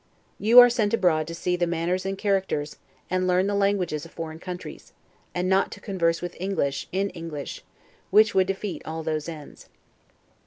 You are sent abroad to see the manners and characters, and learn the languages of foreign countries; and not to converse with English, in English; which would defeat all those ends.